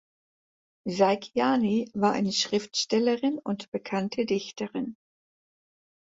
Saikiani war eine Schriftstellerin und bekannte Dichterin.